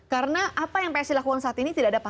karena apa yang psi lakukan saat ini tidak ada